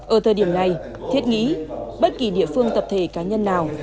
ở thời điểm này thiết nghĩ bất kỳ địa phương tập thể cá nhân nào